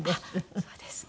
あっそうですね。